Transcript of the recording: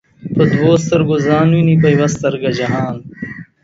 په دوو ستر گو ځان ويني په يوه سترگه جهان